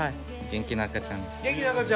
元気な赤ちゃん。